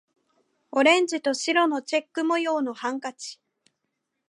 オレンジと白のチェック模様のハンカチ